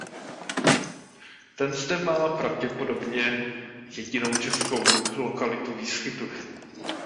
Ten zde má pravděpodobně jedinou českou lokalitu výskytu.